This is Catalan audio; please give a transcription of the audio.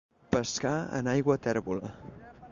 Pescar en aigua tèrbola.